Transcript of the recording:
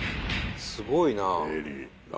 すごいな。